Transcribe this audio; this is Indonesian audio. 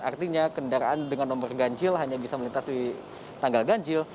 artinya kendaraan dengan nomor ganjil hanya bisa melintas di tangga ganjil